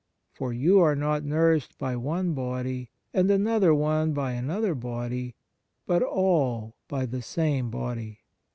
For you are not nourished by one body, and another one by another body, but all by the same body.